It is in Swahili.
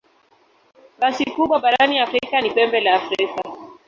Rasi kubwa barani Afrika ni Pembe la Afrika.